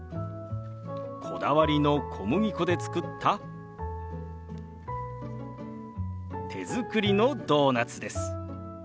こだわりの小麦粉で作った手作りのドーナツです。